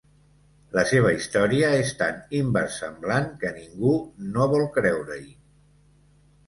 La seva història és tan inversemblant que ningú no vol creure-hi.